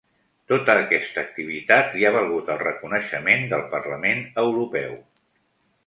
Tota aquesta activitat li ha valgut el reconeixement del parlament europeu.